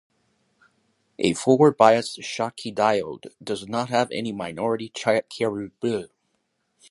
A forward-biased Schottky diode does not have any minority carrier charge storage.